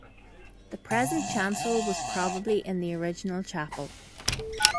The present chancel was probably in the original chapel.